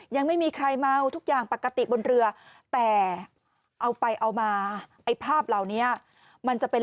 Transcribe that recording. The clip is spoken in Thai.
ยังไม่มีใครเมาทุกอย่างปกติบนเรือแต่เอาไปเอามาไอ้ภาพเหล่านี้มันจะเป็น